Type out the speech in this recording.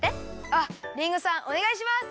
あっリンゴさんおねがいします！